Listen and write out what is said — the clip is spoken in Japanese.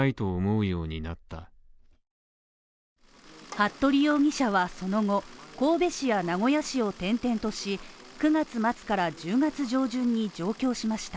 服部容疑者はその後、神戸市や名古屋市を転々とし９月末から１０月上旬に上京しました。